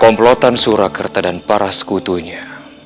komplotan surakarta dan para sekutunya